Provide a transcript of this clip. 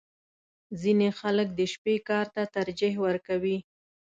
• ځینې خلک د شپې کار ته ترجیح ورکوي.